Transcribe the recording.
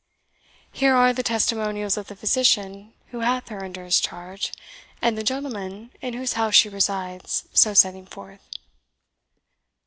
Here are the testimonials of the physician who hath her under his charge, and the gentleman in whose house she resides, so setting forth."